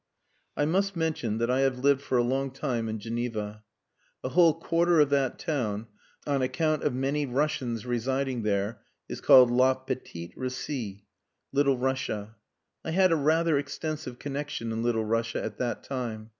I must mention that I have lived for a long time in Geneva. A whole quarter of that town, on account of many Russians residing there, is called La Petite Russie Little Russia. I had a rather extensive connexion in Little Russia at that time.